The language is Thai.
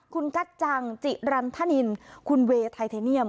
คุณกัจจังจิรันธนินคุณเวย์ไทเทเนียม